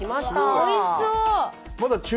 おいしそう。